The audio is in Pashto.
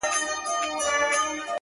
• ما سهار دي ور منلي شنه لوټونه ,